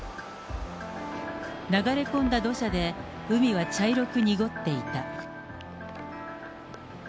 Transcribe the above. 流れ込んだ土砂で、海は茶色く濁っていた。